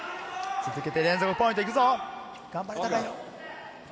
続けて連続ポイント行くぞ。